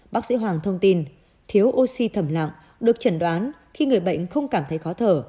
bác sĩ hoàng thông tin thiếu oxy thẩm lặng được chẩn đoán khi người bệnh không cảm thấy khó thở